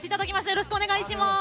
よろしくお願いします。